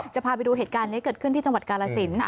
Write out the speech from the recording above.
จะพาไปดูเหตุการณ์นี้เกิดขึ้นที่จังหวัดกาลสิน